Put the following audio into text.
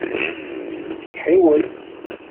Ḥiwel.